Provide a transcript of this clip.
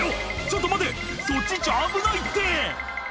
「ちょっと待てそっち行っちゃ危ないって！」